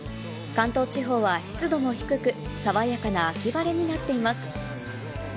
関東地方は湿度も低く、爽やかな秋晴れになっています。